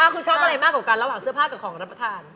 คุณชอบอะไรมากกว่ากันระหว่างเสื้อผ้ากับของรับประทาน